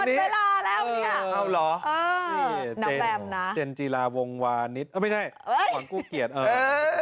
อืมอืมอืมอืมอืม